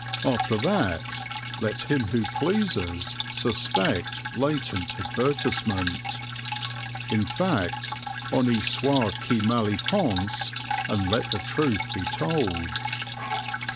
After that, let him who pleases suspect latent advertisement. In fact, Honi soit qui mal y pense, and let the truth be told.